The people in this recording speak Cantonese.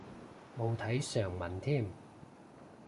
冇睇上文添